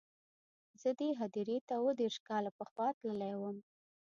زه دې هدیرې ته اووه دېرش کاله پخوا تللی وم.